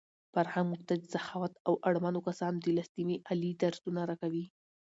فرهنګ موږ ته د سخاوت او د اړمنو کسانو د لاسنیوي عالي درسونه راکوي.